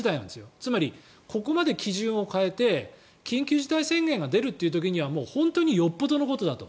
つまりここまで基準を変えて緊急事態宣言が出るという時はよっぽどのことだと。